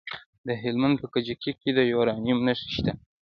د هلمند په کجکي کې د یورانیم نښې شته.